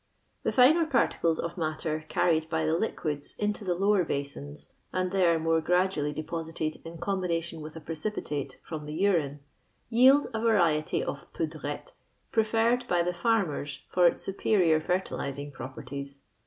*' The finer particles of matter carried by the liquicU Into the lower basins, and there more gradually de posited in combination with a precipitate from tljo urine, yield a variety of poodretto, prefiBrrBd, by tho ikrmen, for its superior fertillaing properties.